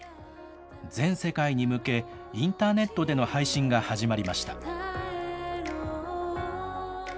全世界に向け、インターネットでの配信が始まりました。